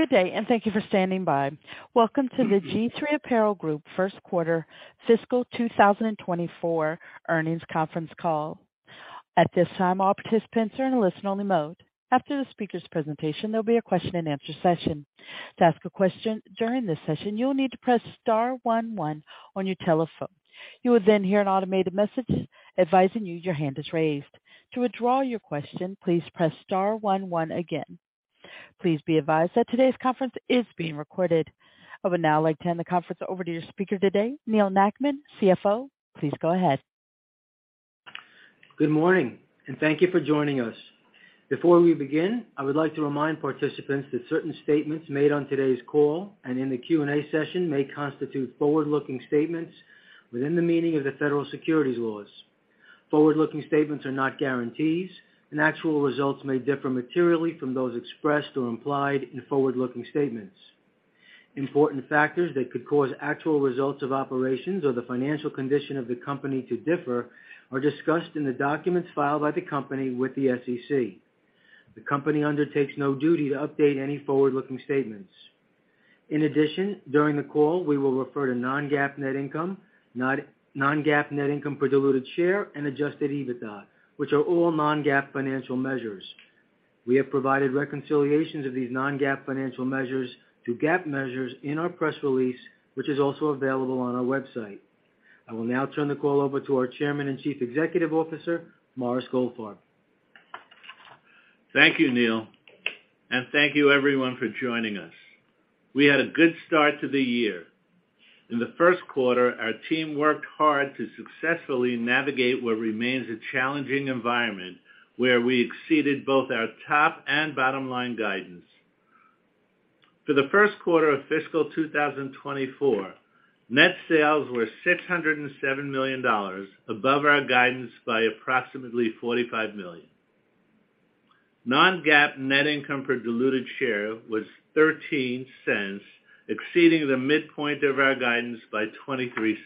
Good day. Thank you for standing by. Welcome to the G-III Apparel Group First Quarter Fiscal 2024 Earnings Conference Call. At this time, all participants are in a listen-only mode. After the speaker's presentation, there'll be a question-and-answer session. To ask a question during this session, you'll need to press star one one on your telephone. You will hear an automated message advising you your hand is raised. To withdraw your question, please press star one one again. Please be advised that today's conference is being recorded. I would now like to hand the conference over to your speaker today, Neal Nackman, CFO. Please go ahead. Good morning, and thank you for joining us. Before we begin, I would like to remind participants that certain statements made on today's call and in the Q&A session may constitute forward-looking statements within the meaning of the federal securities laws. Forward-looking statements are not guarantees, and actual results may differ materially from those expressed or implied in forward-looking statements. Important factors that could cause actual results of operations or the financial condition of the company to differ are discussed in the documents filed by the company with the SEC. The company undertakes no duty to update any forward-looking statements. In addition, during the call, we will refer to non-GAAP net income, non-GAAP net income per diluted share, and adjusted EBITDA, which are all non-GAAP financial measures. We have provided reconciliations of these non-GAAP financial measures to GAAP measures in our press release, which is also available on our website. I will now turn the call over to our Chairman and Chief Executive Officer, Morris Goldfarb. Thank you, Neil. Thank you everyone for joining us. We had a good start to the year. In the first quarter, our team worked hard to successfully navigate what remains a challenging environment, where we exceeded both our top and bottom-line guidance. For the first quarter of fiscal 2024, net sales were $607 million, above our guidance by approximately $45 million. Non-GAAP net income per diluted share was $0.13, exceeding the midpoint of our guidance by $0.23.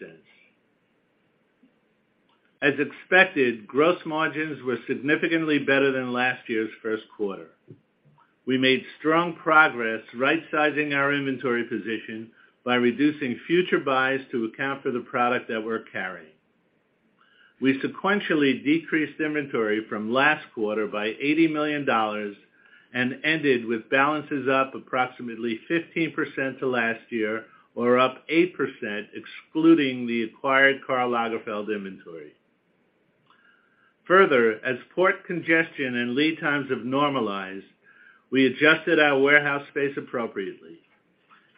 As expected, gross margins were significantly better than last year's first quarter. We made strong progress rightsizing our inventory position by reducing future buys to account for the product that we're carrying. We sequentially decreased inventory from last quarter by $80 million and ended with balances up approximately 15% to last year, or up 8%, excluding the acquired Karl Lagerfeld inventory. Further, as port congestion and lead times have normalized, we adjusted our warehouse space appropriately.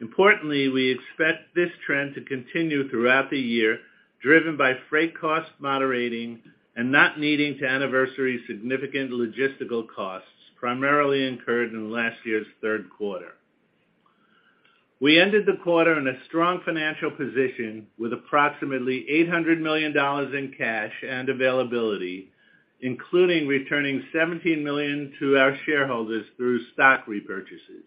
Importantly, we expect this trend to continue throughout the year, driven by freight costs moderating and not needing to anniversary significant logistical costs, primarily incurred in last year's third quarter. We ended the quarter in a strong financial position with approximately $800 million in cash and availability, including returning $17 million to our shareholders through stock repurchases.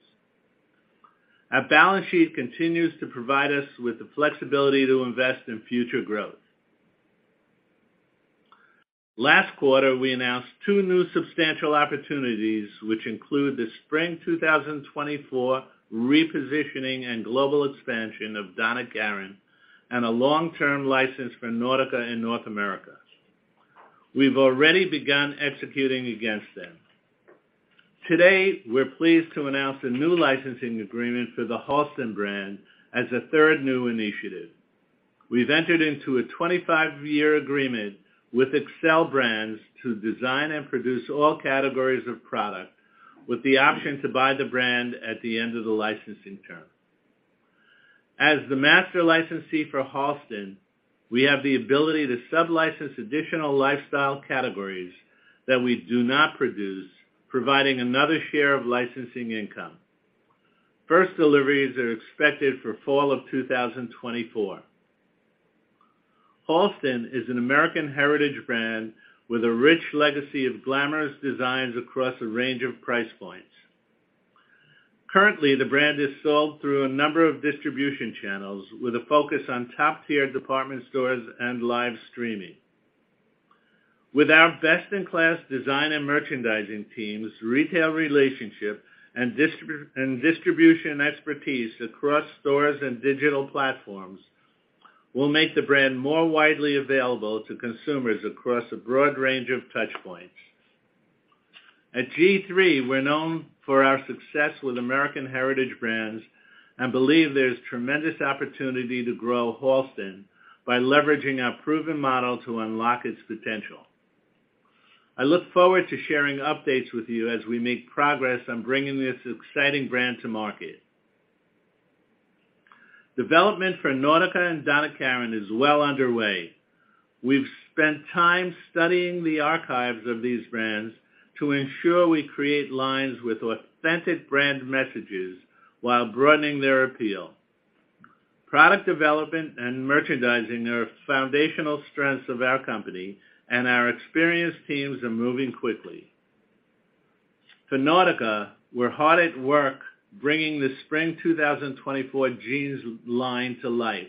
Our balance sheet continues to provide us with the flexibility to invest in future growth. Last quarter, we announced two new substantial opportunities, which include the Spring 2024 repositioning and global expansion of Donna Karan and a long-term license for Nautica in North America. We've already begun executing against them. Today, we're pleased to announce a new licensing agreement for the Halston brand as a third new initiative. We've entered into a 25-year agreement with Xcel Brands to design and produce all categories of product, with the option to buy the brand at the end of the licensing term. As the master licensee for Halston, we have the ability to sublicense additional lifestyle categories that we do not produce, providing another share of licensing income. First deliveries are expected for fall of 2024. Halston is an American heritage brand with a rich legacy of glamorous designs across a range of price points. Currently, the brand is sold through a number of distribution channels, with a focus on top-tier department stores and live streaming. With our best-in-class design and merchandising teams, retail relationship, and distribution expertise across stores and digital platforms, we'll make the brand more widely available to consumers across a broad range of touchpoints. At G-III, we're known for our success with American heritage brands and believe there's tremendous opportunity to grow Halston by leveraging our proven model to unlock its potential. I look forward to sharing updates with you as we make progress on bringing this exciting brand to market. Development for Nautica and Donna Karan is well underway. We've spent time studying the archives of these brands to ensure we create lines with authentic brand messages while broadening their appeal. Product development and merchandising are foundational strengths of our company, and our experienced teams are moving quickly. For Nautica, we're hard at work bringing the Spring 2024 jeans line to life.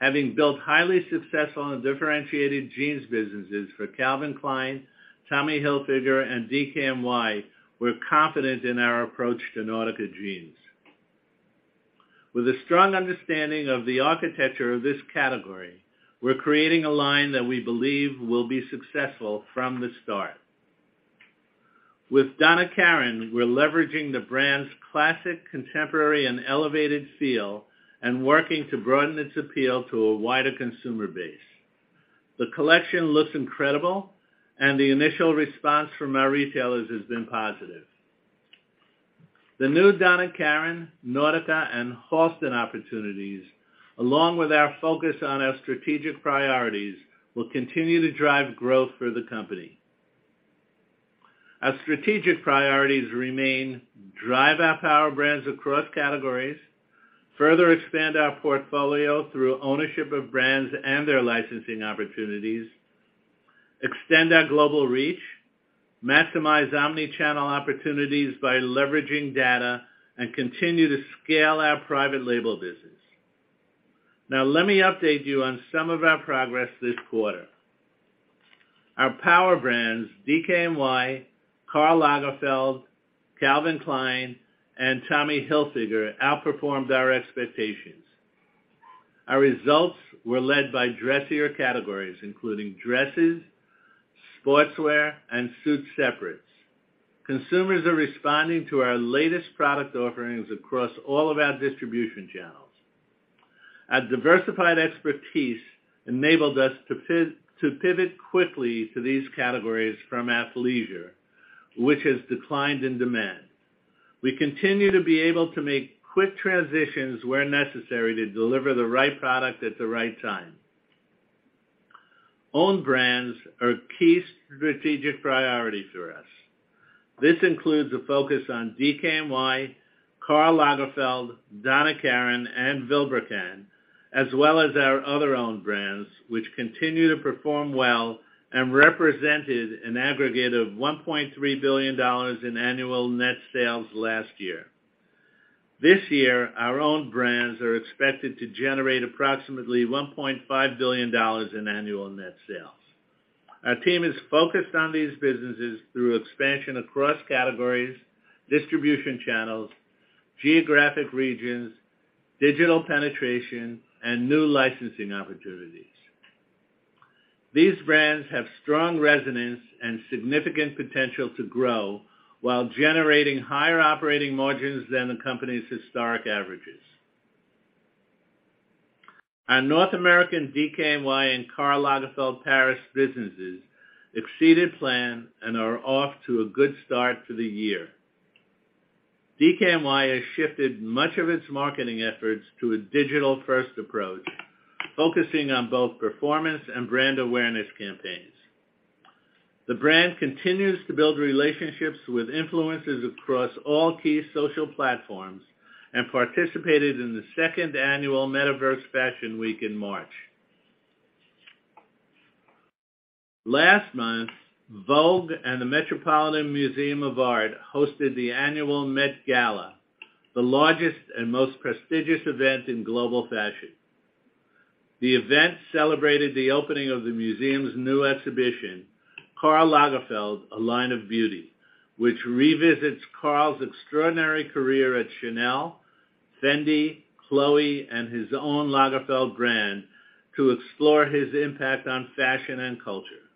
Having built highly successful and differentiated jeans businesses for Calvin Klein, Tommy Hilfiger, and DKNY, we're confident in our approach to Nautica jeans. With a strong understanding of the architecture of this category, we're creating a line that we believe will be successful from the start. With Donna Karan, we're leveraging the brand's classic, contemporary, and elevated feel, and working to broaden its appeal to a wider consumer base. The collection looks incredible, and the initial response from our retailers has been positive. The new Donna Karan, Nautica, and Halston opportunities, along with our focus on our strategic priorities, will continue to drive growth for the company. Our strategic priorities remain: drive our power brands across categories, further expand our portfolio through ownership of brands and their licensing opportunities, extend our global reach, maximize omni-channel opportunities by leveraging data, and continue to scale our private label business. Let me update you on some of our progress this quarter. Our power brands, DKNY, Karl Lagerfeld, Calvin Klein, and Tommy Hilfiger, outperformed our expectations. Our results were led by dressier categories, including dresses, sportswear, and suit separates. Consumers are responding to our latest product offerings across all of our distribution channels. Our diversified expertise enabled us to pivot quickly to these categories from athleisure, which has declined in demand. We continue to be able to make quick transitions where necessary, to deliver the right product at the right time. Own brands are a key strategic priority for us. This includes a focus on DKNY, Karl Lagerfeld, Donna Karan, and Vilebrequin, as well as our other own brands, which continue to perform well and represented an aggregate of $1.3 billion in annual net sales last year. This year, our own brands are expected to generate approximately $1.5 billion in annual net sales. Our team is focused on these businesses through expansion across categories, distribution channels, geographic regions, digital penetration, and new licensing opportunities. These brands have strong resonance and significant potential to grow while generating higher operating margins than the company's historic averages. Our North American DKNY and Karl Lagerfeld Paris businesses exceeded plan and are off to a good start to the year. DKNY has shifted much of its marketing efforts to a digital-first approach, focusing on both performance and brand awareness campaigns. The brand continues to build relationships with influencers across all key social platforms and participated in the 2nd annual Metaverse Fashion Week in March. Last month, Vogue and the Metropolitan Museum of Art hosted the annual Met Gala, the largest and most prestigious event in global fashion. The event celebrated the opening of the museum's new exhibition, Karl Lagerfeld: A Line of Beauty, which revisits Karl's extraordinary career at Chanel, Fendi, Chloé, and his own Lagerfeld brand, to explore his impact on fashion and culture.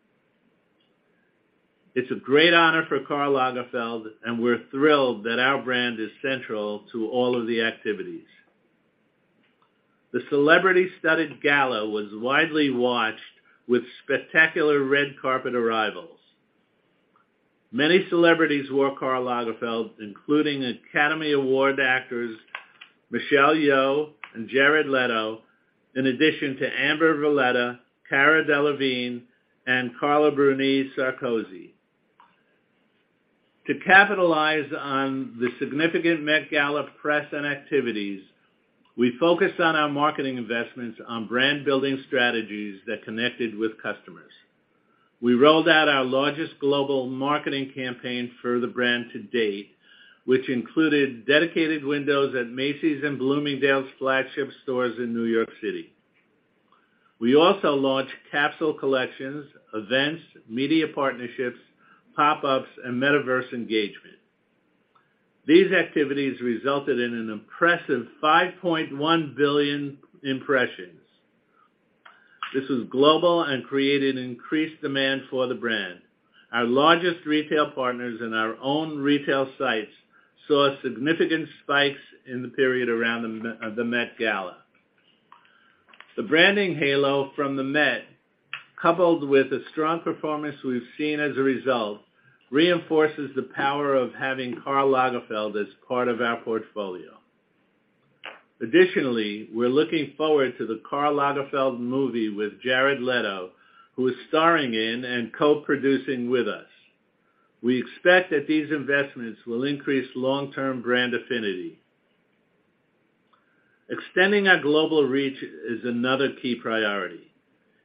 It's a great honor for Karl Lagerfeld. We're thrilled that our brand is central to all of the activities. The celebrity-studded gala was widely watched, with spectacular red carpet arrivals. Many celebrities wore Karl Lagerfeld, including Academy Award actors Michelle Yeoh and Jared Leto, in addition to Amber Valletta, Cara Delevingne, and Carla Bruni-Sarkozy. To capitalize on the significant Met Gala press and activities, we focused on our marketing investments on brand-building strategies that connected with customers. We rolled out our largest global marketing campaign for the brand to date, which included dedicated windows at Macy's and Bloomingdale's flagship stores in New York City. We also launched capsule collections, events, media partnerships, pop-ups, and metaverse engagement. These activities resulted in an impressive 5.1 billion impressions. This was global and created increased demand for the brand. Our largest retail partners and our own retail sites saw a significant spike in the period around the Met Gala. The branding halo from the Met, coupled with the strong performance we've seen as a result, reinforces the power of having Karl Lagerfeld as part of our portfolio. Additionally, we're looking forward to the Karl Lagerfeld movie with Jared Leto, who is starring in and co-producing with us. We expect that these investments will increase long-term brand affinity. Extending our global reach is another key priority.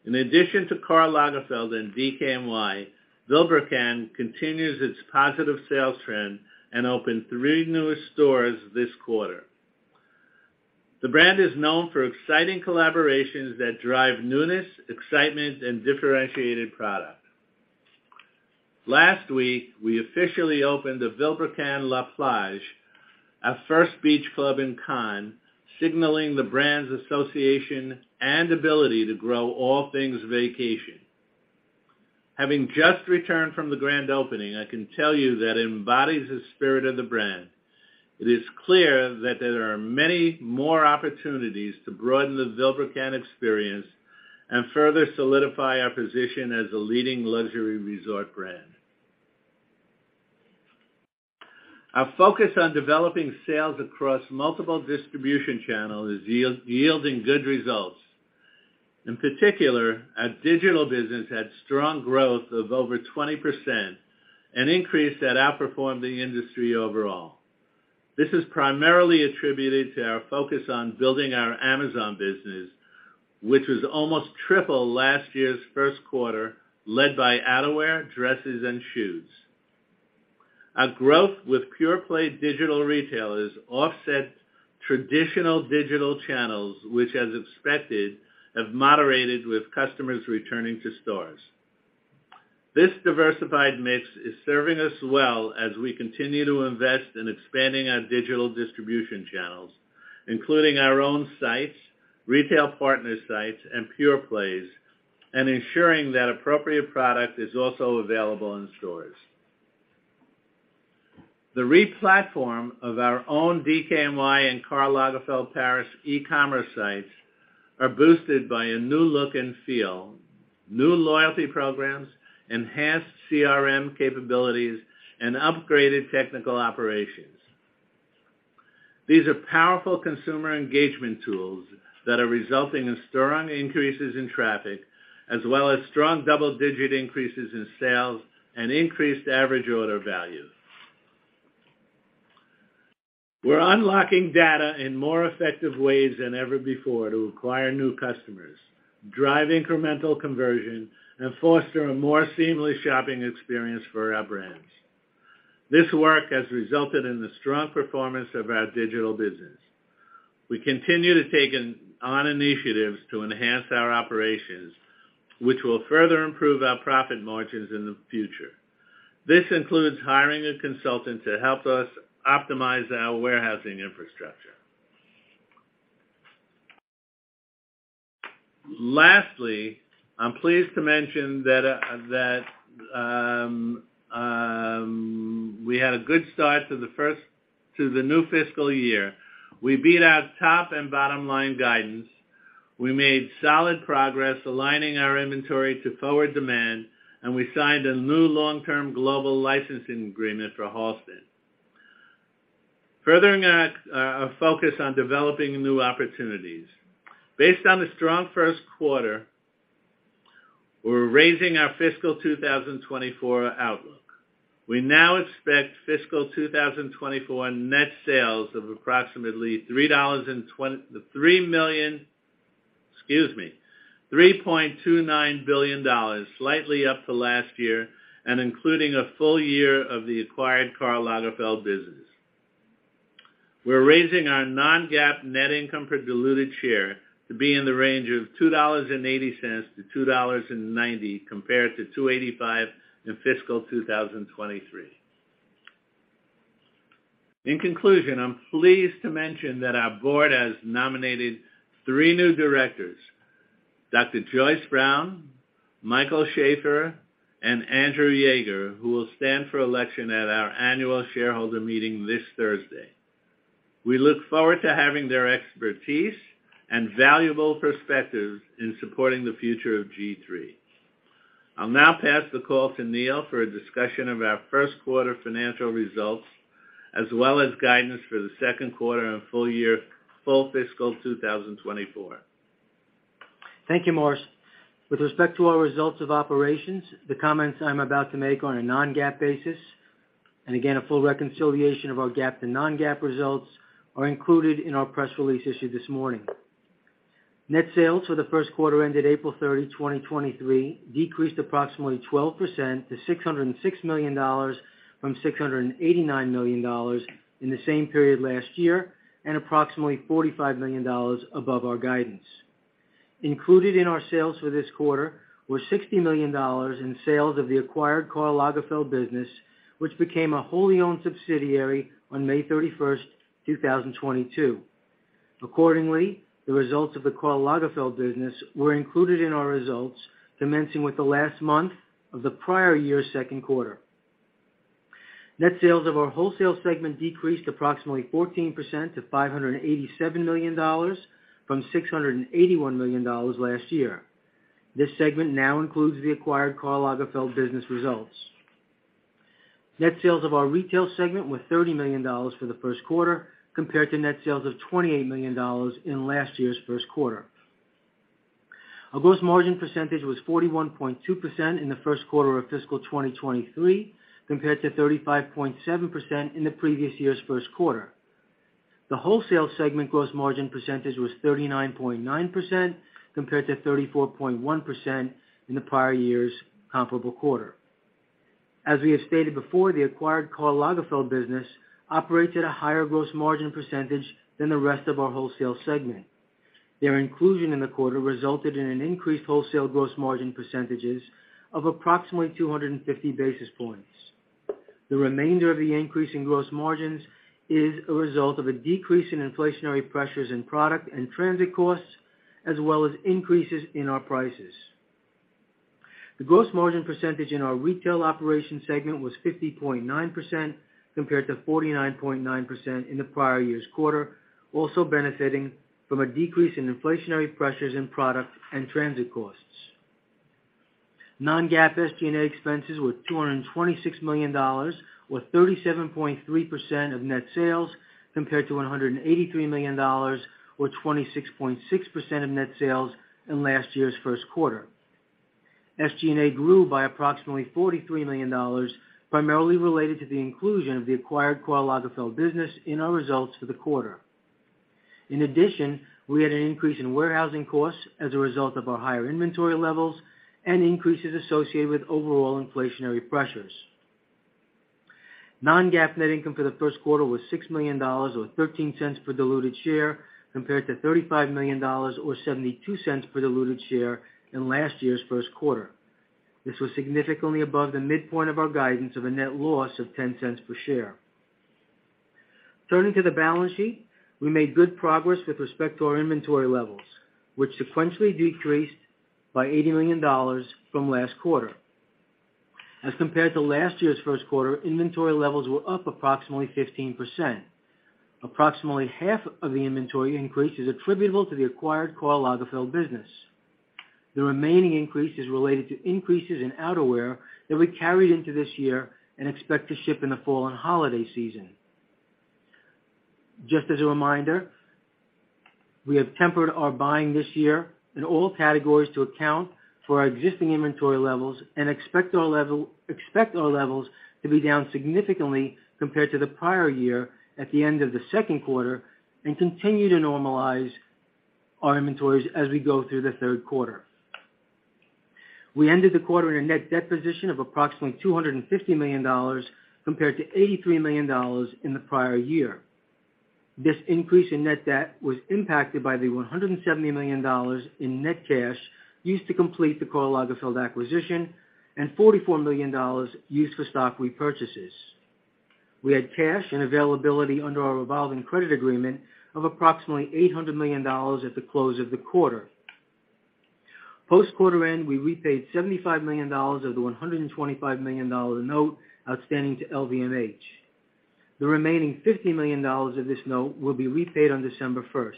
In addition to Karl Lagerfeld and DKNY, Vilebrequin continues its positive sales trend and opened three newest stores this quarter. The brand is known for exciting collaborations that drive newness, excitement, and differentiated product. Last week, we officially opened the Vilebrequin La Plage, our first beach club in Cannes, signaling the brand's association and ability to grow all things vacation. Having just returned from the grand opening, I can tell you that embodies the spirit of the brand. It is clear that there are many more opportunities to broaden the Vilebrequin experience and further solidify our position as a leading luxury resort brand. Our focus on developing sales across multiple distribution channels is yielding good results. In particular, our digital business had strong growth of over 20%, an increase that outperformed the industry overall. This is primarily attributed to our focus on building our Amazon business, which was almost triple last year's first quarter, led by outerwear, dresses, and shoes. Our growth with pure-play digital retailers offset traditional digital channels, which, as expected, have moderated with customers returning to stores. This diversified mix is serving us well as we continue to invest in expanding our digital distribution channels, including our own sites, retail partner sites, and pure plays, and ensuring that appropriate product is also available in stores. The replatform of our own DKNY and Karl Lagerfeld Paris e-commerce sites are boosted by a new look and feel, new loyalty programs, enhanced CRM capabilities, and upgraded technical operations. These are powerful consumer engagement tools that are resulting in strong increases in traffic, as well as strong double-digit increases in sales and increased average order values. We're unlocking data in more effective ways than ever before to acquire new customers, drive incremental conversion, and foster a more seamless shopping experience for our brands. This work has resulted in the strong performance of our digital business. We continue to take on initiatives to enhance our operations, which will further improve our profit margins in the future. This includes hiring a consultant to help us optimize our warehousing infrastructure. Lastly, I'm pleased to mention that we had a good start to the new fiscal year. We beat our top and bottom-line guidance, we made solid progress aligning our inventory to forward demand, and we signed a new long-term global licensing agreement for Halston, furthering our focus on developing new opportunities. Based on the strong first quarter, we're raising our fiscal 2024 outlook. We now expect fiscal 2024 net sales of approximately $3.29 billion, slightly up to last year, and including a full year of the acquired Karl Lagerfeld business. We're raising our non-GAAP net income per diluted share to be in the range of $2.80-$2.90, compared to $2.85 in fiscal 2023. In conclusion, I'm pleased to mention that our board has nominated three new directors, Dr. Joyce Brown, Michael Shaffer, and Andrew Yaeger, who will stand for election at our annual shareholder meeting this Thursday. We look forward to having their expertise and valuable perspectives in supporting the future of G-III. I'll now pass the call to Neal for a discussion of our first quarter financial results, as well as guidance for the second quarter and full year, full fiscal 2024. Thank you, Morris. With respect to our results of operations, the comments I'm about to make are on a non-GAAP basis, and again, a full reconciliation of our GAAP to non-GAAP results are included in our press release issued this morning. Net sales for the first quarter ended April 30, 2023, decreased approximately 12% to $606 million from $689 million in the same period last year, and approximately $45 million above our guidance. Included in our sales for this quarter were $60 million in sales of the acquired Karl Lagerfeld business, which became a wholly owned subsidiary on May 31, 2022. Accordingly, the results of the Karl Lagerfeld business were included in our results, commencing with the last month of the prior year's second quarter. Net sales of our wholesale segment decreased approximately 14% to $587 million from $681 million last year. This segment now includes the acquired Karl Lagerfeld business results. Net sales of our retail segment were $30 million for the first quarter, compared to net sales of $28 million in last year's first quarter. Our gross margin percentage was 41.2% in the first quarter of fiscal 2023, compared to 35.7% in the previous year's first quarter. The wholesale segment gross margin percentage was 39.9%, compared to 34.1% in the prior year's comparable quarter. As we have stated before, the acquired Karl Lagerfeld business operates at a higher gross margin percentage than the rest of our wholesale segment. Their inclusion in the quarter resulted in an increased wholesale gross margin percentages of approximately 250 basis points. The remainder of the increase in gross margins is a result of a decrease in inflationary pressures in product and transit costs, as well as increases in our prices. The gross margin percentage in our retail operation segment was 50.9%, compared to 49.9% in the prior year's quarter, also benefiting from a decrease in inflationary pressures in product and transit costs. non-GAAP SG&A expenses were $226 million, or 37.3% of net sales, compared to $183 million, or 26.6% of net sales in last year's first quarter. SG&A grew by approximately $43 million, primarily related to the inclusion of the acquired Karl Lagerfeld business in our results for the quarter. In addition, we had an increase in warehousing costs as a result of our higher inventory levels and increases associated with overall inflationary pressures. non-GAAP net income for the first quarter was $6 million, or $0.13 per diluted share, compared to $35 million or $0.72 per diluted share in last year's first quarter. This was significantly above the midpoint of our guidance of a net loss of $0.10 per share. Turning to the balance sheet. We made good progress with respect to our inventory levels, which sequentially decreased by $80 million from last quarter. As compared to last year's first quarter, inventory levels were up approximately 15%. Approximately half of the inventory increase is attributable to the acquired Karl Lagerfeld business. The remaining increase is related to increases in outerwear that we carried into this year and expect to ship in the fall and holiday season. Just as a reminder, we have tempered our buying this year in all categories to account for our existing inventory levels and expect our levels to be down significantly compared to the prior year at the end of the second quarter, and continue to normalize our inventories as we go through the third quarter. We ended the quarter in a net debt position of approximately $250 million, compared to $83 million in the prior year. This increase in net debt was impacted by the $170 million in net cash used to complete the Karl Lagerfeld acquisition and $44 million used for stock repurchases. We had cash and availability under our revolving credit agreement of approximately $800 million at the close of the quarter. Post-quarter end, we repaid $75 million of the $125 million note outstanding to LVMH. The remaining $50 million of this note will be repaid on December 1st.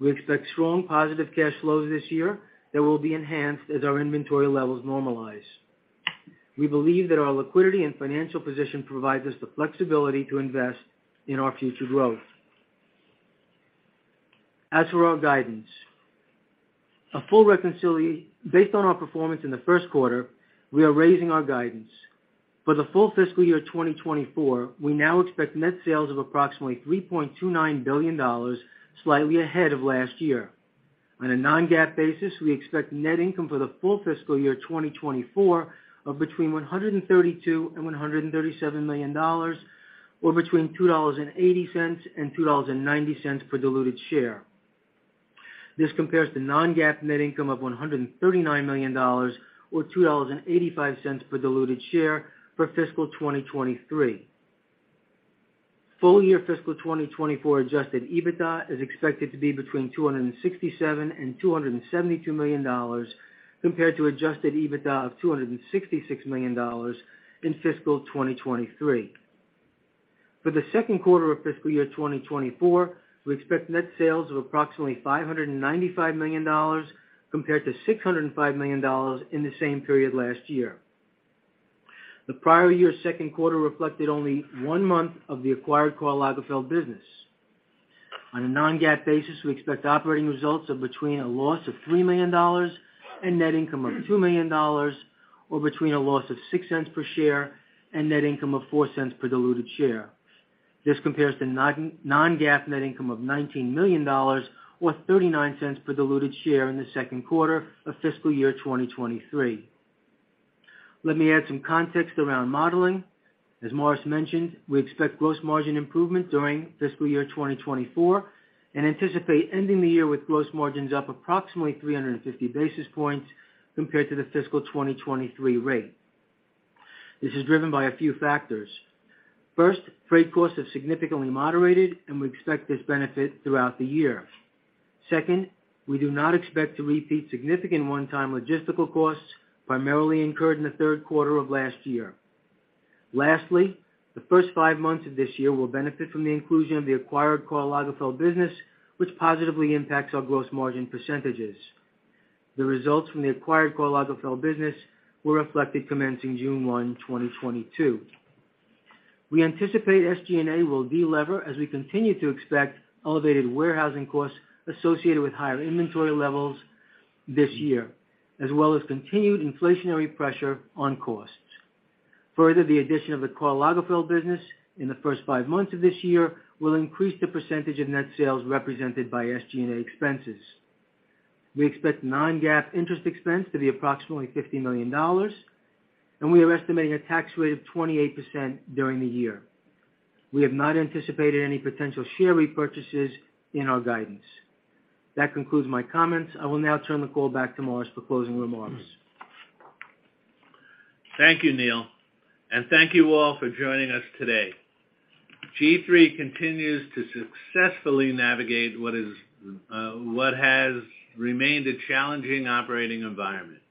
We expect strong positive cash flows this year that will be enhanced as our inventory levels normalize. We believe that our liquidity and financial position provides us the flexibility to invest in our future growth. As for our guidance, based on our performance in the first quarter, we are raising our guidance. For the full fiscal year 2024, we now expect net sales of approximately $3.29 billion, slightly ahead of last year. On a non-GAAP basis, we expect net income for the full fiscal year 2024 of between $132 million and $137 million, or between $2.80 and $2.90 per diluted share. This compares to non-GAAP net income of $139 million, or $2.85 per diluted share for fiscal 2023. Full-year fiscal 2024 adjusted EBITDA is expected to be between $267 million and $272 million, compared to adjusted EBITDA of $266 million in fiscal 2023. For the second quarter of fiscal year 2024, we expect net sales of approximately $595 million, compared to $605 million in the same period last year. The prior year's second quarter reflected only 1 month of the acquired Karl Lagerfeld business. On a non-GAAP basis, we expect operating results of between a loss of $3 million and net income of $2 million, or between a loss of $0.06 per share and net income of $0.04 per diluted share. This compares to non-GAAP net income of $19 million, or $0.39 per diluted share in the second quarter of fiscal year 2023. Let me add some context around modeling. As Morris mentioned, we expect gross margin improvement during fiscal year 2024 and anticipate ending the year with gross margins up approximately 350 basis points compared to the fiscal 2023 rate. This is driven by a few factors. First, freight costs have significantly moderated, and we expect this benefit throughout the year. Second, we do not expect to repeat significant one-time logistical costs primarily incurred in the third quarter of last year. Lastly, the first five months of this year will benefit from the inclusion of the acquired Karl Lagerfeld business, which positively impacts our gross margin percentages. The results from the acquired Karl Lagerfeld business were reflected commencing June 1, 2022. We anticipate SG&A will delever as we continue to expect elevated warehousing costs associated with higher inventory levels this year, as well as continued inflationary pressure on costs. The addition of the Karl Lagerfeld business in the first five months of this year will increase the percentage of net sales represented by SG&A expenses. We expect non-GAAP interest expense to be approximately $50 million, and we are estimating a tax rate of 28% during the year. We have not anticipated any potential share repurchases in our guidance. That concludes my comments. I will now turn the call back to Morris for closing remarks. Thank you, Neal, thank you all for joining us today. G-III continues to successfully navigate what has remained a challenging operating environment.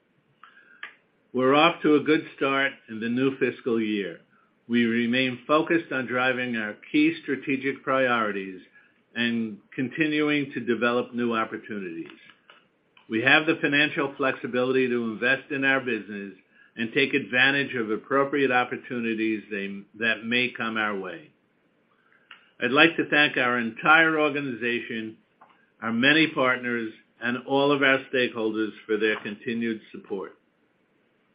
We're off to a good start in the new fiscal year. We remain focused on driving our key strategic priorities and continuing to develop new opportunities. We have the financial flexibility to invest in our business and take advantage of appropriate opportunities that may come our way. I'd like to thank our entire organization, our many partners, and all of our stakeholders for their continued support.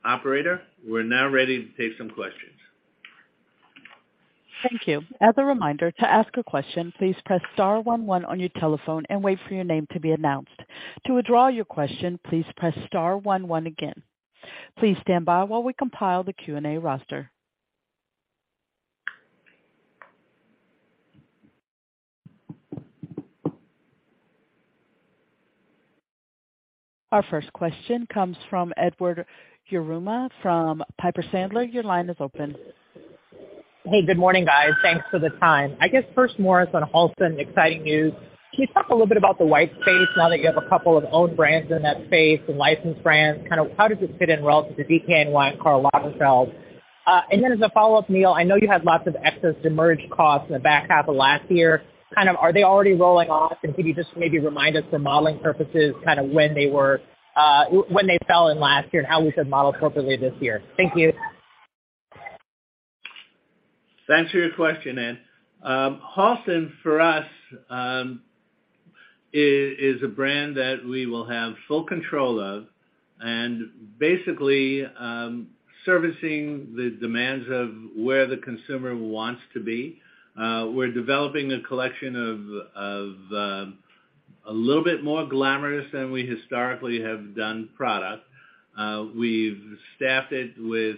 Operator, we're now ready to take some questions. Thank you. As a reminder, to ask a question, please press star one one on your telephone and wait for your name to be announced. To withdraw your question, please press star one one again. Please stand by while we compile the Q&A roster. Our first question comes from Edward Yruma from Piper Sandler. Your line is open. Hey, good morning, guys. Thanks for the time. I guess first, Morris, on Halston, exciting news. Can you talk a little bit about the white space now that you have a couple of own brands in that space and licensed brands? Kind of how does it fit in relative to DKNY and Karl Lagerfeld? As a follow-up, Neil, I know you had lots of excess demurrage costs in the back half of last year. Kind of are they already rolling off, and can you just maybe remind us for modeling purposes, kind of when they fell in last year and how we should model appropriately this year? Thank you. Thanks for your question, Ed. Halston, for us, is a brand that we will have full control of and basically, servicing the demands of where the consumer wants to be. We're developing a collection of a little bit more glamorous than we historically have done product. We've staffed it with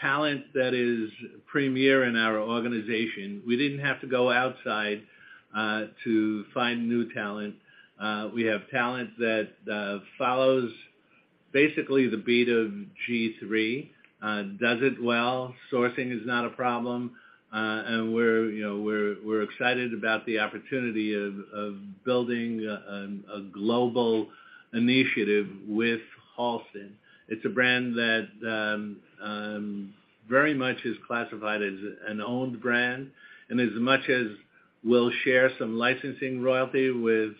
talent that is premier in our organization. We didn't have to go outside to find new talent. We have talent that follows basically the beat of G-III, does it well. Sourcing is not a problem, and we're, you know, we're excited about the opportunity of building a global initiative with Halston. It's a brand that very much is classified as an owned brand, as much as we'll share some licensing royalty with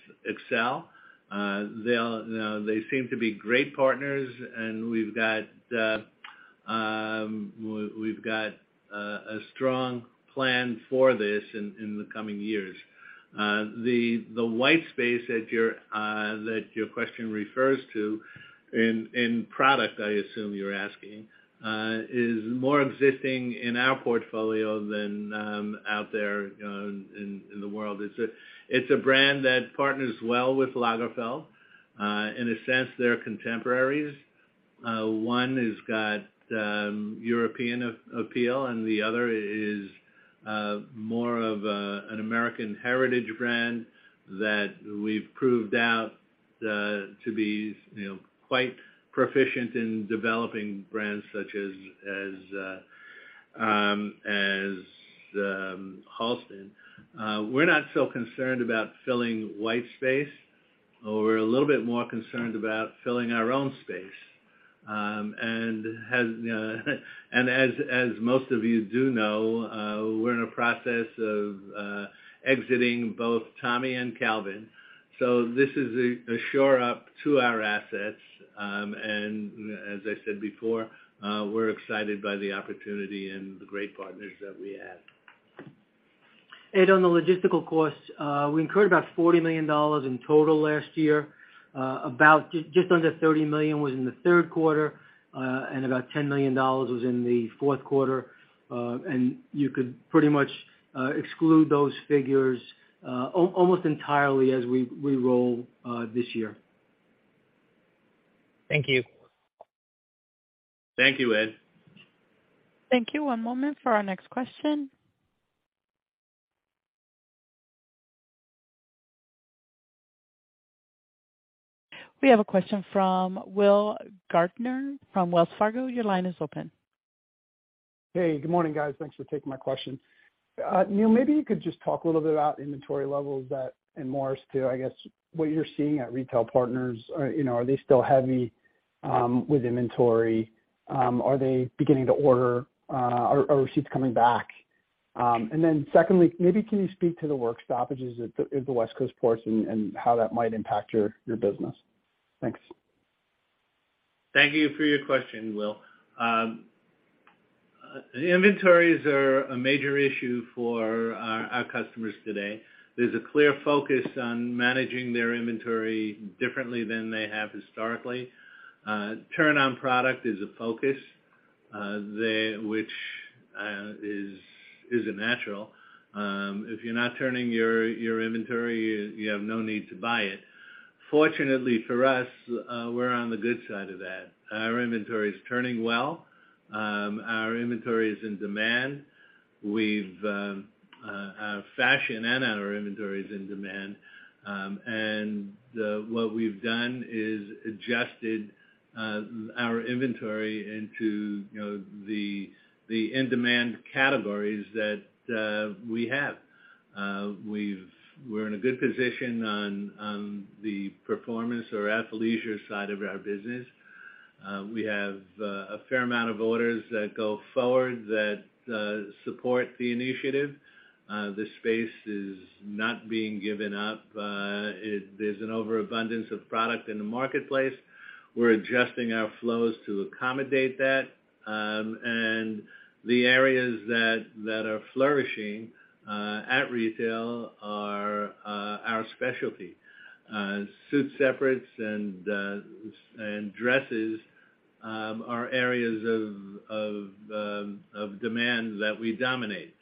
Xcel Brands, they seem to be great partners, and we've got a strong plan for this in the coming years. The white space that your question refers to, in product, I assume you're asking, is more existing in our portfolio than out there in the world. It's a brand that partners well with Lagerfeld. In a sense, they're contemporaries. One has got European appeal, and the other is more of an American heritage brand that we've proved out to be, you know, quite proficient in developing brands such as Halston. We're not so concerned about filling white space, or we're a little bit more concerned about filling our own space. As most of you do know, we're in a process of exiting both Tommy and Calvin. This is a shore up to our assets. As I said before, we're excited by the opportunity and the great partners that we have. On the logistical costs, we incurred about $40 million in total last year. About just under $30 million was in the third quarter, and about $10 million was in the fourth quarter. You could pretty much exclude those figures, almost entirely as we roll this year. Thank you. Thank you, Ed. Thank you. One moment for our next question. We have a question from Will Gaertner from Wells Fargo. Your line is open. Hey, good morning, guys. Thanks for taking my question. Neil, maybe you could just talk a little bit about inventory levels that, and Morris, too, I guess what you're seeing at retail partners. You know, are they still heavy with inventory? Are they beginning to order? Are receipts coming back? Secondly, maybe can you speak to the work stoppages at the West Coast ports and how that might impact your business? Thanks. Thank you for your question, Will. Inventories are a major issue for our customers today. There's a clear focus on managing their inventory differently than they have historically. Turn on product is a focus, which is a natural. If you're not turning your inventory, you have no need to buy it. Fortunately for us, we're on the good side of that. Our inventory is turning well. Our inventory is in demand. We've our fashion and our inventory is in demand. What we've done is adjusted our inventory into, you know, the in-demand categories that we have. We're in a good position on the performance or athleisure side of our business. We have a fair amount of orders that go forward that support the initiative. The space is not being given up. There's an overabundance of product in the marketplace. We're adjusting our flows to accommodate that. The areas that are flourishing at retail are our specialty. Suit separates and dresses are areas of demand that we dominate.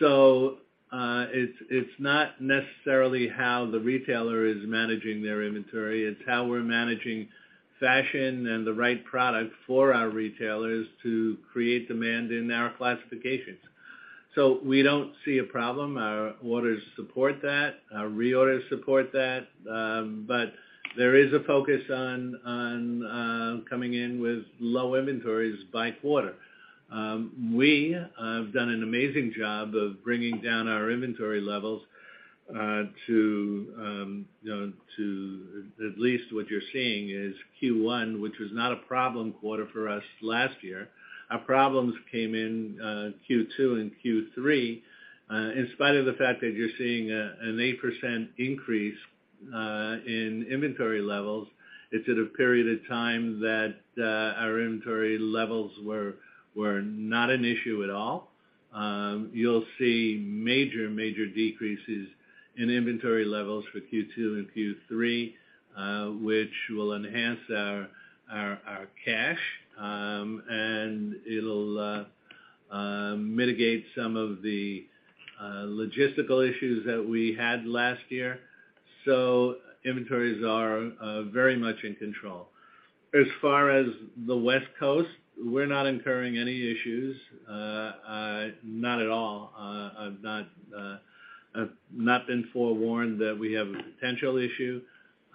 It's not necessarily how the retailer is managing their inventory, it's how we're managing fashion and the right product for our retailers to create demand in our classifications. We don't see a problem. Our orders support that, our reorders support that. There is a focus on coming in with low inventories by quarter. We have done an amazing job of bringing down our inventory levels, to, you know, to at least what you're seeing is Q1, which was not a problem quarter for us last year. Our problems came in Q2 and Q3. In spite of the fact that you're seeing an 8% increase in inventory levels, it's at a period of time that our inventory levels were not an issue at all. You'll see major decreases in inventory levels for Q2 and Q3, which will enhance our cash. It'll mitigate some of the logistical issues that we had last year. Inventories are very much in control. As far as the West Coast, we're not incurring any issues, not at all. I've not been forewarned that we have a potential issue.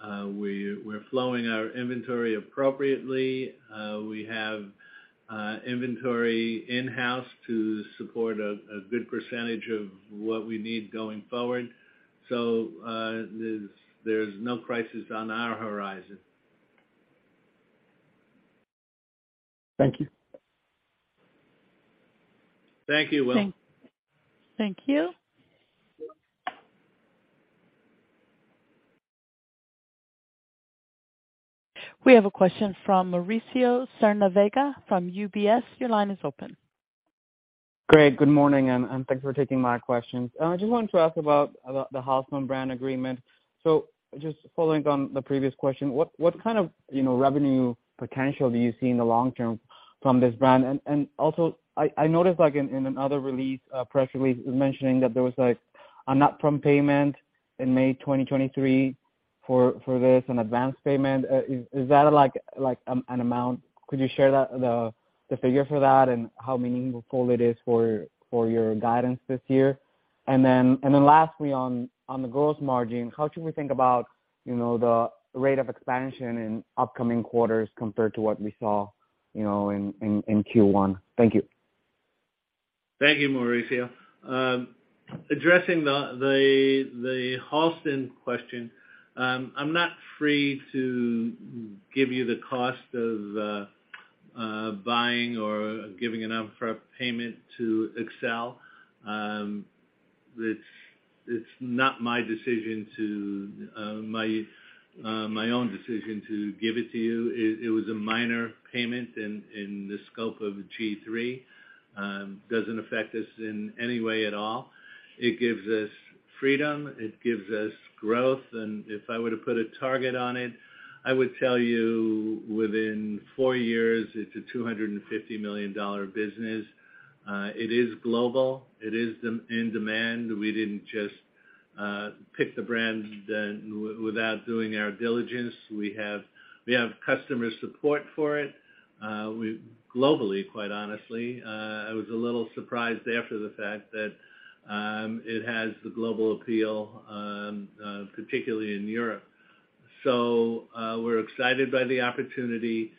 We're flowing our inventory appropriately. We have inventory in-house to support a good percentage of what we need going forward. There's no crisis on our horizon. Thank you. Thank you, Will. Thank you. We have a question from Mauricio Serna Vega from UBS. Your line is open. Great, good morning, and thanks for taking my questions. I just wanted to ask about the Halston brand agreement. Just following on the previous question, what kind of, you know, revenue potential do you see in the long term from this brand? Also I noticed, like in another release, press release mentioning that there was like an upfront payment in May 2023 for this, an advance payment. Is that like an amount? Could you share the figure for that and how meaningful it is for your guidance this year? Lastly, on the gross margin, how should we think about, you know, the rate of expansion in upcoming quarters compared to what we saw, you know, in Q1? Thank you. Thank you, Mauricio. Addressing the Halston question, I'm not free to give you the cost of buying or giving an upfront payment to Xcel Brands. It's not my own decision to give it to you. It was a minor payment in the scope of G-III. Doesn't affect us in any way at all. It gives us freedom, it gives us growth. If I were to put a target on it, I would tell you, within four years, it's a $250 million business. It is global. It is in demand. We didn't just pick the brand, then, without doing our diligence. We have customer support for it globally, quite honestly. I was a little surprised after the fact that it has the global appeal, particularly in Europe. We're excited by the opportunity.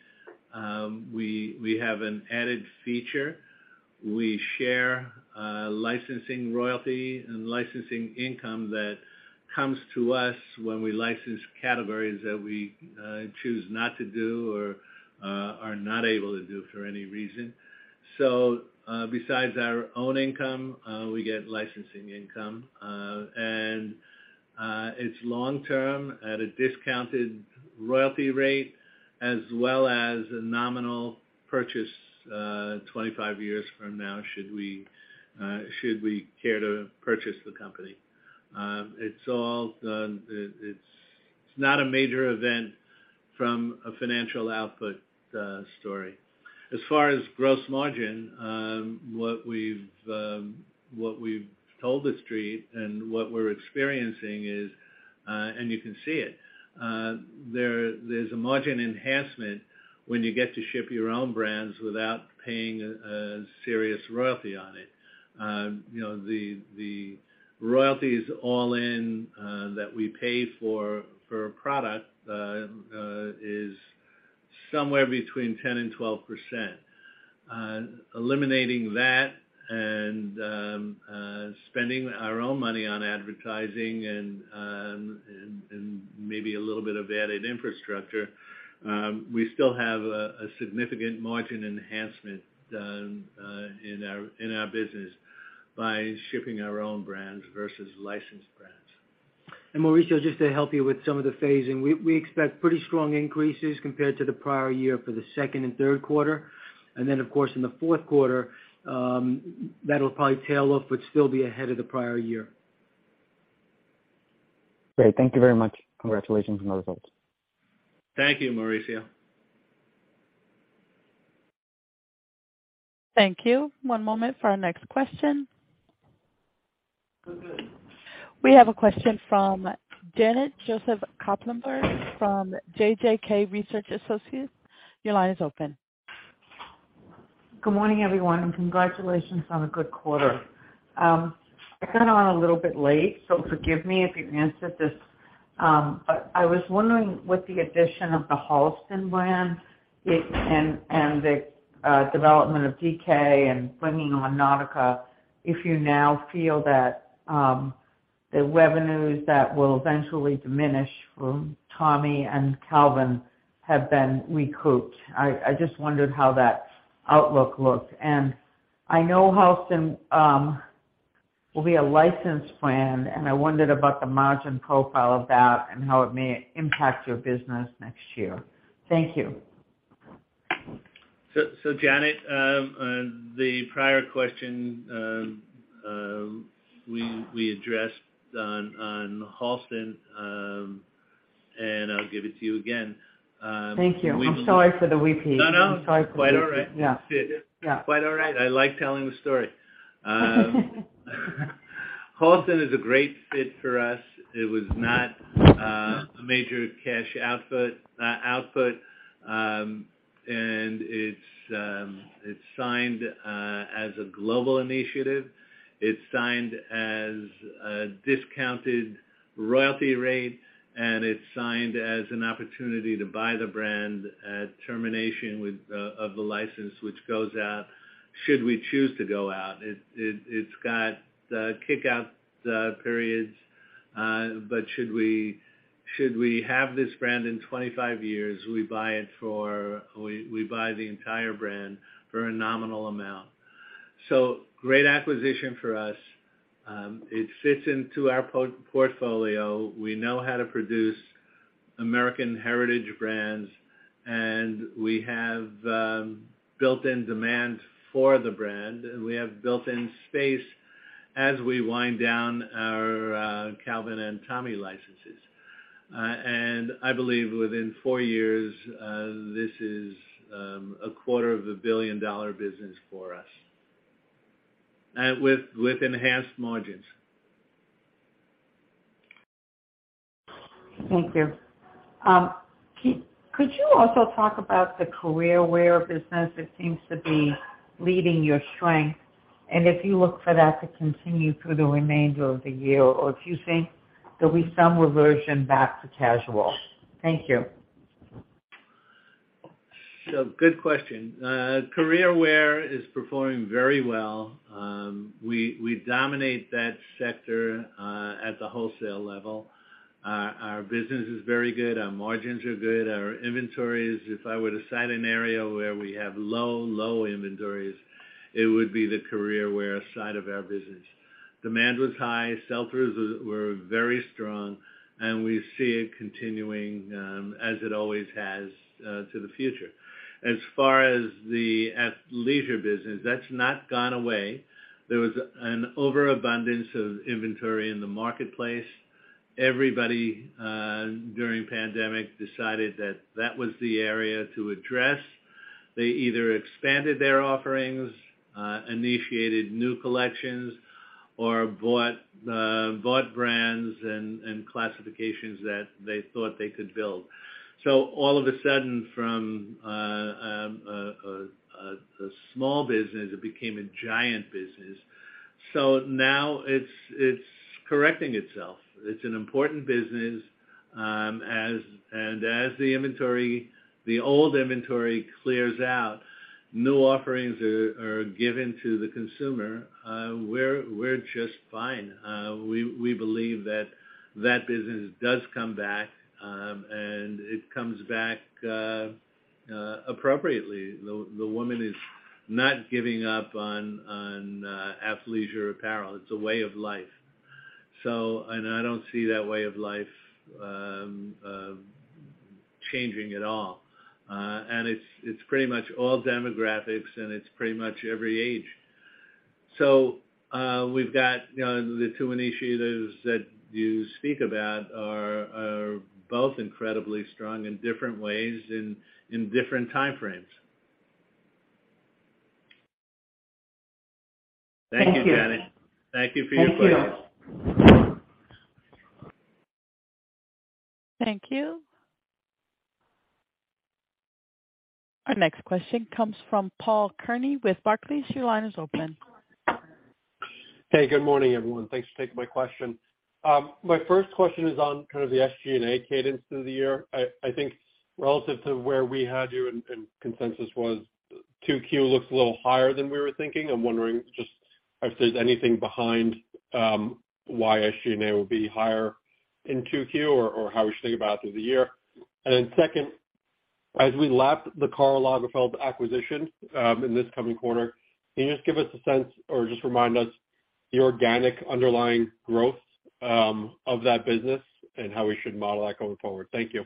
We have an added feature. We share licensing royalty and licensing income that comes to us when we license categories that we choose not to do or are not able to do for any reason. Besides our own income, we get licensing income. It's long term at a discounted royalty rate, as well as a nominal purchase, 25 years from now, should we care to purchase the company. It's all done. It's not a major event from a financial output story. As far as gross margin, what we've told The Street and what we're experiencing is, you can see it, there's a margin enhancement when you get to ship your own brands without paying a serious royalty on it. You know, the royalties all in that we pay for a product is somewhere between 10% and 12%. Eliminating that and spending our own money on advertising and maybe a little bit of added infrastructure, we still have a significant margin enhancement in our business by shipping our own brands versus licensed brands. Mauricio, just to help you with some of the phasing, we expect pretty strong increases compared to the prior year for the second and third quarter. Of course, in the fourth quarter, that'll probably tail off, but still be ahead of the prior year. Great. Thank you very much. Congratulations on the results. Thank you, Mauricio. Thank you. One moment for our next question. We have a question from Janet Joseph Kloppenburg from JJK Research Associates. Your line is open. Good morning, everyone, and congratulations on a good quarter. I got on a little bit late, so forgive me if you've answered this. I was wondering what the addition of the Halston brand, and the development of DK and bringing on Nautica, if you now feel that the revenues that will eventually diminish from Tommy and Calvin have been recouped. I just wondered how that outlook looked. I know Halston will be a licensed brand, and I wondered about the margin profile of that and how it may impact your business next year. Thank you. Janet, the prior question, we addressed on Halston. I'll give it to you again. Thank you. I'm sorry for the repeat. No, no. I'm sorry for the repeat. Quite all right. Yeah. Quite all right. I like telling the story. Halston is a great fit for us. It was not a major cash output. It's signed as a global initiative. It's signed as a discounted royalty rate, and it's signed as an opportunity to buy the brand at termination of the license, which goes out, should we choose to go out. It's got kickout periods, but should we have this brand in 25 years, we buy the entire brand for a nominal amount. Great acquisition for us. It fits into our portfolio. We know how to produce American heritage brands, and we have built-in demand for the brand, and we have built-in space as we wind down our Calvin and Tommy licenses. I believe within four years, this is a quarter of a billion-dollar business for us, with enhanced margins. Thank you. Could you also talk about the career wear business? It seems to be leading your strength, and if you look for that to continue through the remainder of the year, or if you think there'll be some reversion back to casual. Thank you. Good question. career wear is performing very well. We dominate that sector at the wholesale level. Our business is very good. Our margins are good. Our inventories, if I were to cite an area where we have low inventories, it would be the career wear side of our business. Demand was high, sell-throughs were very strong, and we see it continuing as it always has to the future. As far as the athleisure business, that's not gone away. There was an overabundance of inventory in the marketplace. Everybody during pandemic decided that that was the area to address. They either expanded their offerings, initiated new collections, or bought brands and classifications that they thought they could build. All of a sudden, from a small business, it became a giant business. Now it's correcting itself. It's an important business, and as the inventory, the old inventory clears out, new offerings are given to the consumer, we're just fine. We believe that business does come back, and it comes back appropriately. The woman is not giving up on athleisure apparel. It's a way of life. I don't see that way of life changing at all. It's pretty much all demographics, and it's pretty much every age. We've got, you know, the two initiatives that you speak about are both incredibly strong in different ways and in different time frames. Thank you, Janet. Thank you. Thank you for your questions. Thank you. Thank you. Our next question comes from Paul Kearney with Barclays. Your line is open. Hey, good morning, everyone. Thanks for taking my question. My first question is on kind of the SG&A cadence through the year. I think relative to where we had you and consensus was, 2Q looks a little higher than we were thinking. I'm wondering just if there's anything behind why SG&A will be higher in 2Q or how we should think about it through the year? Then second, as we lap the Karl Lagerfeld acquisition in this coming quarter, can you just give us a sense or just remind us the organic underlying growth of that business and how we should model that going forward? Thank you.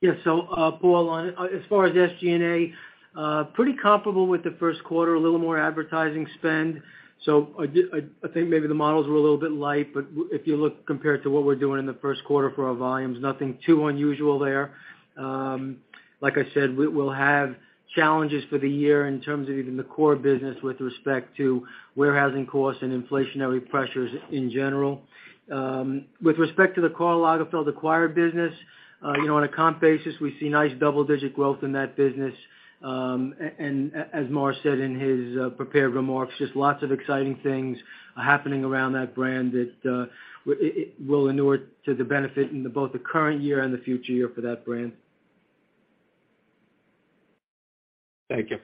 Yeah. Paul, as far as SG&A, pretty comparable with the first quarter, a little more advertising spend. I think maybe the models were a little bit light, but if you look compared to what we're doing in the first quarter for our volumes, nothing too unusual there. Like I said, we'll have challenges for the year in terms of even the core business with respect to warehousing costs and inflationary pressures in general. With respect to the Karl Lagerfeld acquired business, you know, on a comp basis, we see nice double-digit growth in that business. As Morris said in his prepared remarks, just lots of exciting things are happening around that brand that it will inure to the benefit in both the current year and the future year for that brand. Thank you.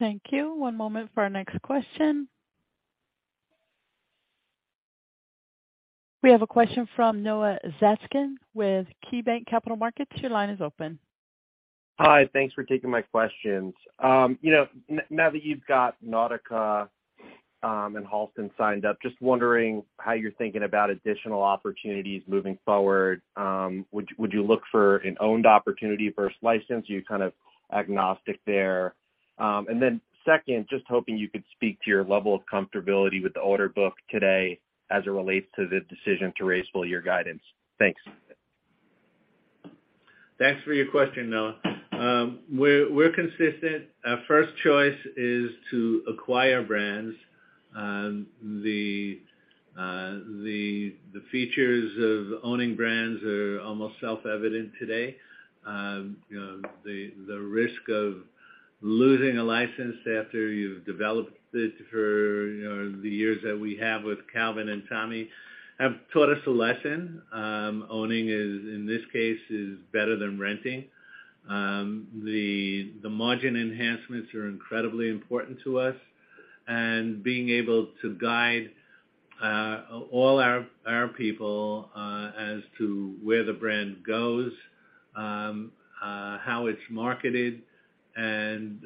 Thank you. One moment for our next question. We have a question from Noah Zatzkin with KeyBanc Capital Markets. Your line is open. Hi, thanks for taking my questions. you know, now that you've got Nautica, and Halston signed up, just wondering how you're thinking about additional opportunities moving forward? Would you look for an owned opportunity versus license? Are you kind of agnostic there? Second, just hoping you could speak to your level of comfortability with the order book today as it relates to the decision to raise full year guidance? Thanks. Thanks for your question, Noah. We're consistent. Our first choice is to acquire brands. The features of owning brands are almost self-evident today. You know, the risk of losing a license after you've developed it for, you know, the years that we have with Calvin and Tommy, have taught us a lesson. Owning is, in this case, is better than renting. The margin enhancements are incredibly important to us. Being able to guide all our people as to where the brand goes, how it's marketed, and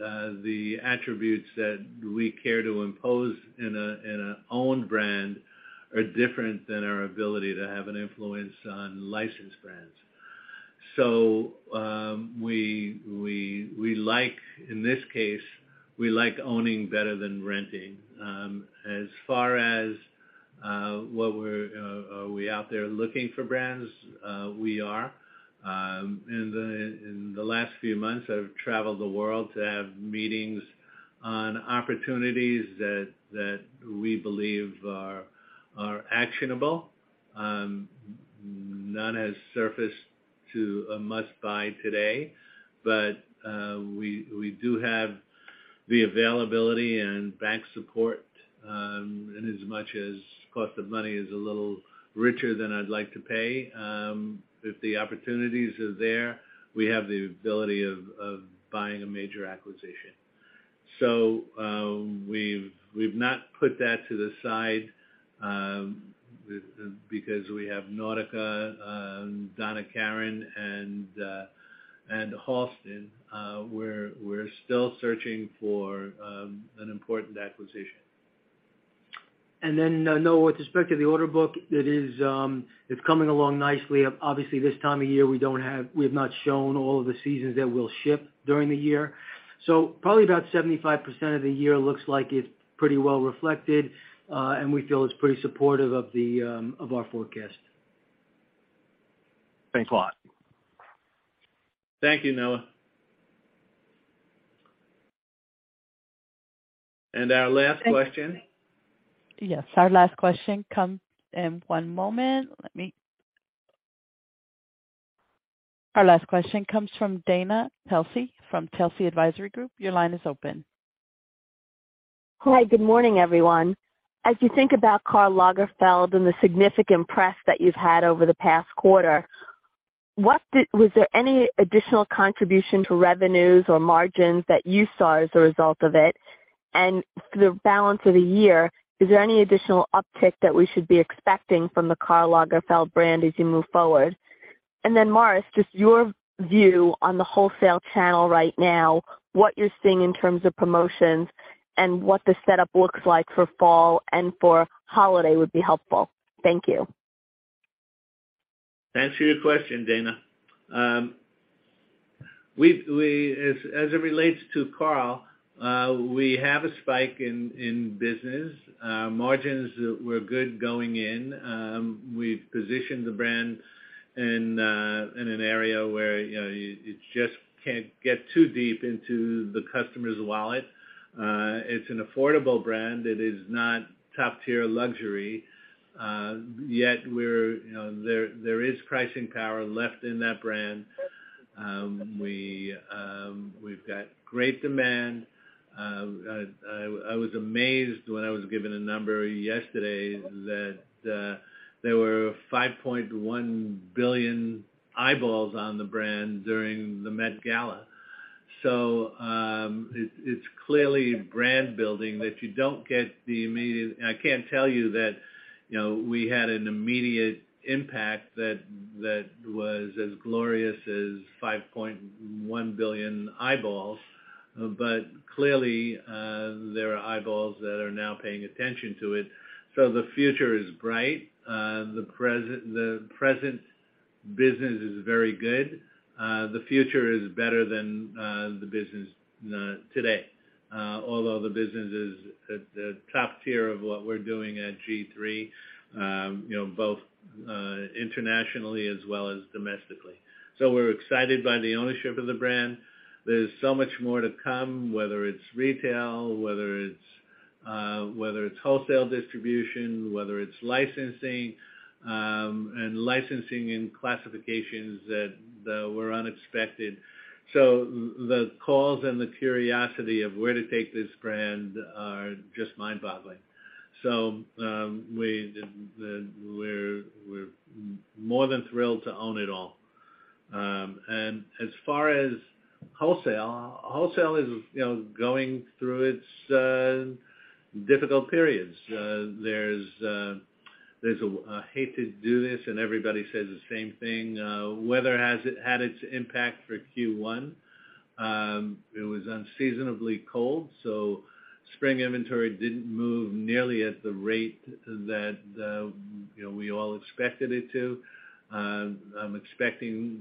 the attributes that we care to impose in a own brand are different than our ability to have an influence on licensed brands. We like, in this case, we like owning better than renting. As far as what we're... are we out there looking for brands? We are. In the last few months, I've traveled the world to have meetings on opportunities that we believe are actionable. None has surfaced to a must-buy today, but we do have the availability and bank support in as much as cost of money is a little richer than I'd like to pay. If the opportunities are there, we have the ability of buying a major acquisition. We've not put that to the side because we have Nautica, Donna Karan, and Halston, we're still searching for an important acquisition. Noah, with respect to the order book, it is, it's coming along nicely. Obviously, this time of year, we have not shown all of the seasons that we'll ship during the year. Probably about 75% of the year looks like it's pretty well reflected, and we feel it's pretty supportive of the of our forecast. Thanks a lot. Thank you, Noah. Our last question? Yes, one moment. Our last question comes from Dana Telsey, from Telsey Advisory Group. Your line is open. Hi, good morning, everyone. As you think about Karl Lagerfeld and the significant press that you've had over the past quarter, was there any additional contribution to revenues or margins that you saw as a result of it? For the balance of the year, is there any additional uptick that we should be expecting from the Karl Lagerfeld brand as you move forward? Morris, just your view on the wholesale channel right now, what you're seeing in terms of promotions and what the setup looks like for fall and for holiday, would be helpful. Thank you. Thanks for your question, Dana. As it relates to Karl, we have a spike in business. Margins were good going in. We've positioned the brand in an area where, you know, it just can't get too deep into the customer's wallet. It's an affordable brand. It is not top-tier luxury, yet we're, you know, there is pricing power left in that brand. We've got great demand. I was amazed when I was given a number yesterday, that there were 5.1 billion eyeballs on the brand during the Met Gala. It's clearly brand building, that you don't get the immediate... I can't tell you that, you know, we had an immediate impact that was as glorious as 5.1 billion eyeballs, but clearly, there are eyeballs that are now paying attention to it. The future is bright. The present business is very good. The future is better than the business today. Although the business is at the top tier of what we're doing at G-III, you know, both internationally as well as domestically. We're excited by the ownership of the brand. There's so much more to come, whether it's retail, whether it's wholesale distribution, whether it's licensing, and licensing in classifications that were unexpected. The calls and the curiosity of where to take this brand are just mind-boggling. We're more than thrilled to own it all. As far as wholesale is, you know, going through its difficult periods. There's I hate to do this, and everybody says the same thing, weather had its impact for Q1. It was unseasonably cold, so spring inventory didn't move nearly at the rate that, you know, we all expected it to. I'm expecting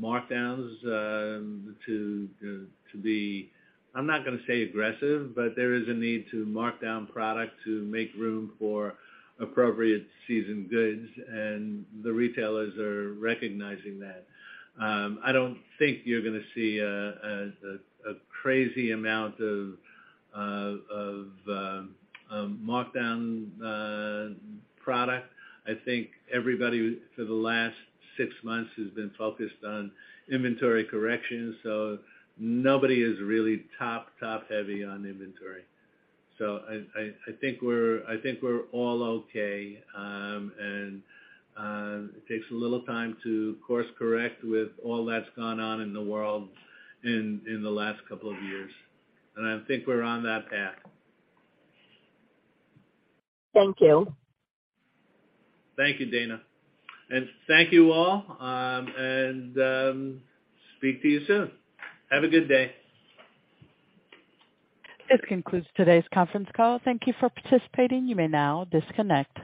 markdowns to be, I'm not gonna say aggressive, but there is a need to mark down product to make room for appropriate season goods, and the retailers are recognizing that. I don't think you're gonna see a crazy amount of markdown product. I think everybody, for the last six months, has been focused on inventory corrections, so nobody is really top heavy on inventory. I think we're all okay. It takes a little time to course correct with all that's gone on in the world in the last couple of years. I think we're on that path. Thank you. Thank you, Dana. Thank you all. Speak to you soon. Have a good day. This concludes today's conference call. Thank You for participating. You may now disconnect.